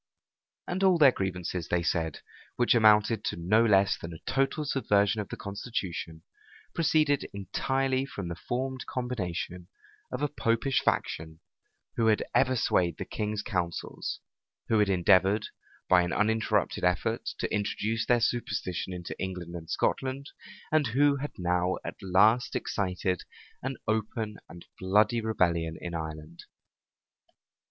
And all their grievances, they said, which amounted to no less than a total subversion of the constitution, proceeded entirely from the formed combination of a Popish faction, who had ever swayed the king's counsels, who had endeavored, by an uninterrupted effort, to introduce their superstition into England and Scotland, and who had now at last excited an open and bloody rebellion in Ireland.